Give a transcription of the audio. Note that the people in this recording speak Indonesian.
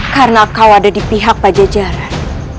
karena kau ada di pihak pajajaran